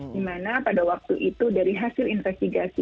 di mana pada waktu itu dari hasil investigasi